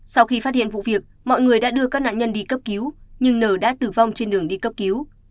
sau khi phát hiện vụ việc mọi người đã đưa các nạn nhân đi cấp cứu nhưng nờ đã tử vong trên đường đi cấp cứu